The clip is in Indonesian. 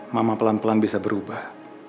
mama pelan pelan bisa berubah